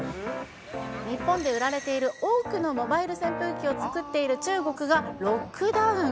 日本で売られている多くのモバイル扇風機を作っている中国がロックダウン。